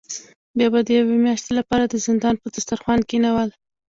بیا به د یوې میاشتې له پاره د زندان په دسترخوان کینول.